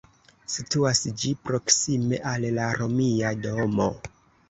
Situas ĝi proksime al la Romia domo.